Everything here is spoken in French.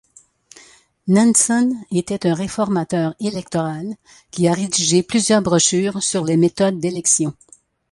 Nanson était un réformateur électoral qui a rédigé plusieurs brochures sur les méthodes d'élection.